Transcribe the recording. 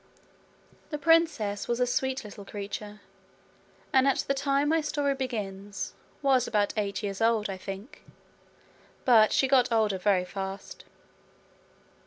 The princess was a sweet little creature, and at the time my story begins was about eight years old, I think, but she got older very fast.